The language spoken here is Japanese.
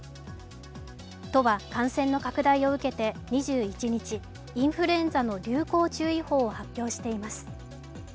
都は感染の拡大を受けて２１日、インフルエンザの流行注意報を発表しています。